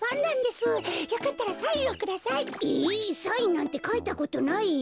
サインなんてかいたことないよ。